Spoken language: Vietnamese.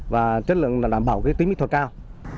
và chất lượng đảm bảo tính mỹ thuật cao